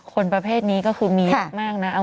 คนประเภทนี้ก็คือมีเหนะมากนะเอาเป็นไง